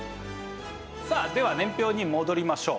さあでは年表に戻りましょう。